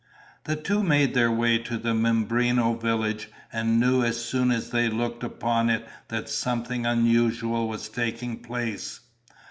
The two made their way to the Mimbreno village, and knew as soon as they looked upon it that something unusual was taking place.